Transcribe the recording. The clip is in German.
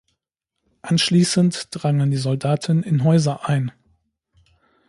Anschließend drangen die Soldaten in Häuser ein.